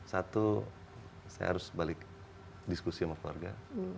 satu saya harus balik diskusi sama keluarga